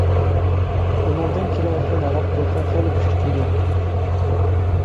ئۇنىڭدىن كېلىۋاتقان ھاراق پۇرىقى خېلى كۈچلۈك ئىدى.